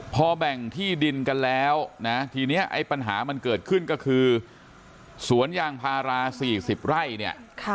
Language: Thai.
พอแบ่งที่ดินกันแล้วนะทีนี้ไอ้ปัญหามันเกิดขึ้นก็คือสวนยางพารา๔๐ไร่เนี่ย